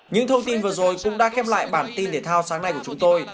những thông tin vừa rồi cũng đã khép lại bản tin thể thao sáng nay của chúng tôi